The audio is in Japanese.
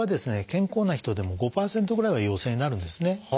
健康な人でも５％ぐらいは陽性になるんですね。